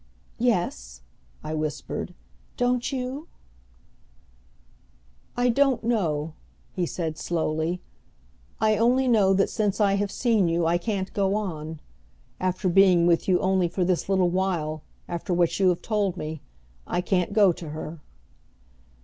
"Yes," I whispered. "Don't you?" "I don't know," he said slowly. "I only know that since I have seen you I can't go on. After being with you only for this little while, after what you have told me, I can't go to her."